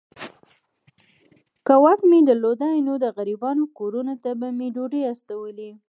که واک مي درلودای نو د غریبانو کورونو ته به مي ډوډۍ استولې.